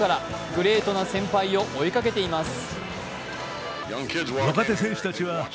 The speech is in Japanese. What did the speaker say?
グレートな先輩を追いかけています。